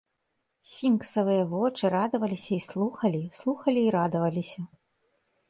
Сфінксавыя вочы радаваліся і слухалі, слухалі і радаваліся.